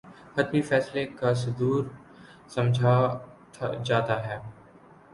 حتمی فیصلے کا صدور سمجھا جاتا ہے